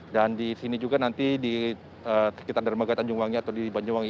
dan di sini juga nanti di sekitar dermaga tanjungwangi atau di banjongwangi